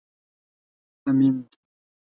امېند